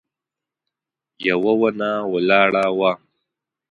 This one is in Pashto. يوه ونه ولاړه وه.